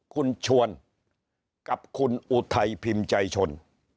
คุณชวนกับคุณอุทัยพิมพ์ใจชน